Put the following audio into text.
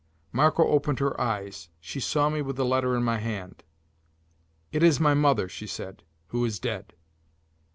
Marco opened her eyes. She saw me with the letter in my hand. "It is my mother," she said, "who is dead.